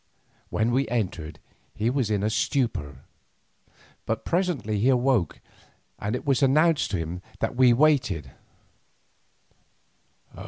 When we entered he was in a stupor, but presently he awoke, and it was announced to him that we waited.